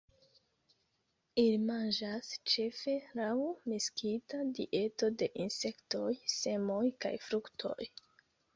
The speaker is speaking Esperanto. Ili manĝas ĉefe laŭ miksita dieto de insektoj, semoj kaj fruktoj.